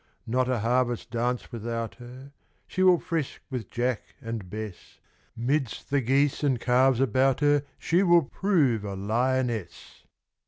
Not a harvest dance without her, She will frisk with Jack and Bess; Midst the geese and calves about her She will prove a lioness.